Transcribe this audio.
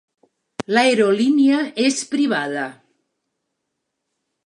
L'aerolínia és privada.